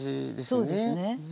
そうですね。